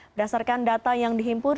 berdasarkan data yang dihimpun